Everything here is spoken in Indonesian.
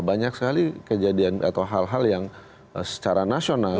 banyak sekali kejadian atau hal hal yang secara nasional